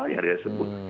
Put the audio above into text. yang dia sebut